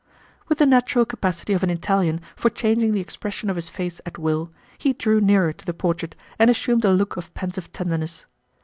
With the natural capacity of an Italian for changing the expression of his face at will, he drew nearer to the portrait and assumed a look of pensive tenderness.